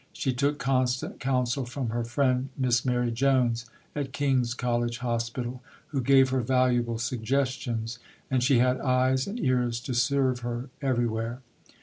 She took constant counsel from her friend Miss Mary Jones, at King's College Hospital, who gave her valuable suggestions, and she had eyes and ears to serve her everywhere.